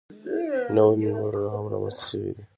نوي منبرونه هم رامنځته شوي دي.